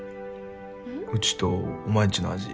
うちとお前んちの味。